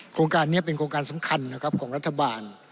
โครงการนี้เป็นโครงการสำคัญนะครับของรัฐบาล